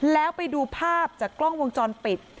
แล้วไปดูภาพจากกล้องวงจรปิด